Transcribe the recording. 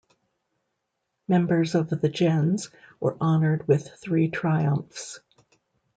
Members of the gens were honoured with three triumphs.